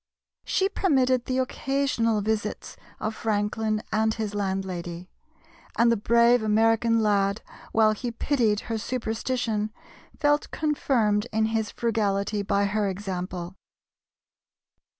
She permitted the occasional visits of Franklin and his landlady; and the brave American lad, while he pitied her superstition, felt confirmed in his frugality by her example.